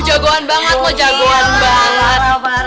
jagoan banget lo jagoan banget